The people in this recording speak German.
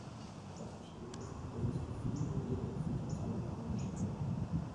Was geschehen ist, das ist für Sie und Ihre Institution eine Schande.